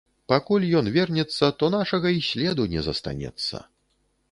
Пакуль ён вернецца, то нашага і следу не застанецца.